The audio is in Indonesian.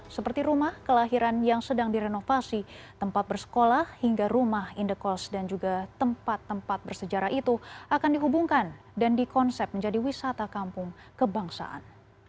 seperti rumah kelahiran yang sedang direnovasi tempat bersekolah hingga rumah indekos dan juga tempat tempat bersejarah itu akan dihubungkan dan dikonsep menjadi wisata kampung kebangsaan